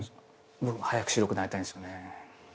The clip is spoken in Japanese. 僕も早く白くなりたいんすよね。